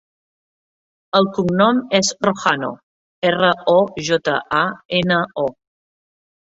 El cognom és Rojano: erra, o, jota, a, ena, o.